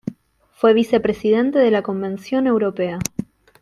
Fue vicepresidente de la Convención Europea.